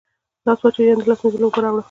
لاس واچوه ، یعنی د لاس مینځلو اوبه راوړه